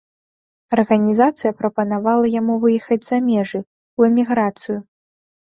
Арганізацыя прапанавала яму выехаць за межы, у эміграцыю.